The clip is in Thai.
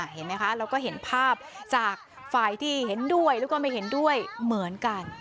เห็นไหมคะเราก็เห็นภาพจากฝ่ายที่เห็นด้วยแล้วก็ไม่เห็นด้วยเหมือนกัน